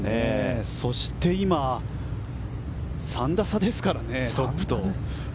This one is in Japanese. そして今３打差ですからねトップと。